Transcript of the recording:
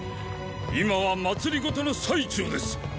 今は政の最中です！